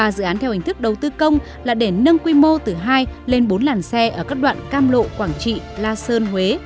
ba dự án theo hình thức đầu tư công là để nâng quy mô từ hai lên bốn làn xe ở các đoạn cam lộ quảng trị la sơn huế